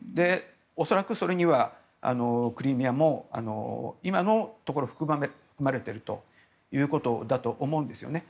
恐らくそれにはクリミアも今のところ含まれているということだと思うんですよね。